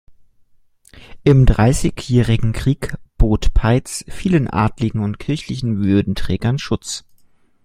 Im Dreißigjährigen Krieg bot Peitz vielen Adligen und kirchlichen Würdenträgern Schutz.